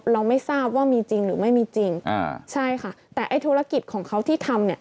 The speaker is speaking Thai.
เราไม่ทราบว่ามีจริงหรือไม่มีจริงอ่าใช่ค่ะแต่ไอ้ธุรกิจของเขาที่ทำเนี่ย